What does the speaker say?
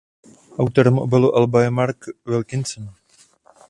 Autorem obalu alba je Mark Wilkinson.